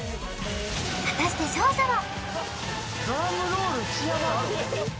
果たして勝者は？